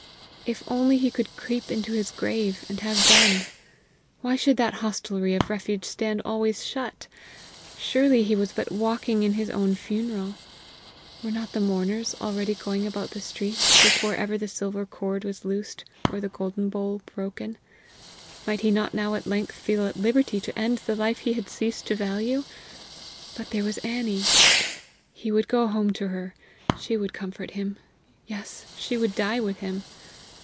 If only he could creep into his grave and have done! Why should that hostelry of refuge stand always shut? Surely he was but walking in his own funeral! Were not the mourners already going about the street before ever the silver cord was loosed or the golden bowl broken? Might he not now at length feel at liberty to end the life he had ceased to value? But there was Annie! He would go home to her; she would comfort him yes, she would die with him!